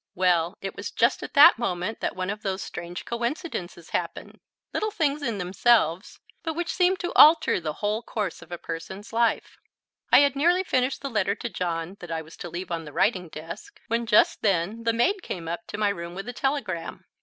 Well, it was just at that moment that one of those strange coincidences happen, little things in themselves, but which seem to alter the whole course of a person's life. I had nearly finished the letter to John that I was to leave on the writing desk, when just then the maid came up to my room with a telegram.